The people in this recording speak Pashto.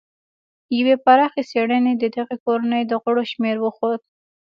یوې پراخې څېړنې د دغې کورنۍ د غړو شمېر وښود.